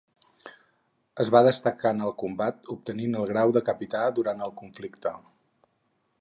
Es va destacar en el combat, obtenint el grau de capità durant el conflicte.